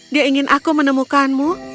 dia ingin aku menemukanmu